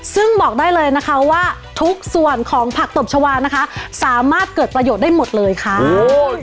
ซึ่งบอกได้เลยนะคะว่าทุกส่วนของผักตบชาวานะคะสามารถเกิดประโยชน์ได้หมดเลยค่ะโอ้ย